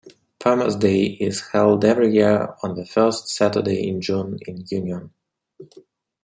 Farmers' Day is held every year on the first Saturday in June in Union.